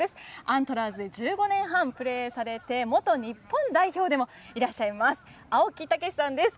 アントラーズで１５年半プレーされて元日本代表でもいらっしゃいます青木剛さんです。